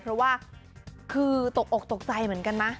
เพราะว่าคือตกอกตกใจเหมือนกันนะ